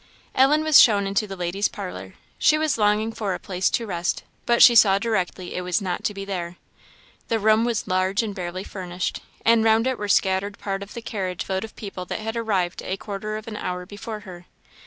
Ellen was shown into the ladies' parlour. She was longing for a place to rest, but she saw directly it was not to be there. The room was large and barely furnished; and round it were scattered part of the carriage load of people that had arrived a quarter of an hour before her.